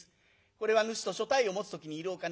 「これはぬしと所帯を持つ時にいるお金。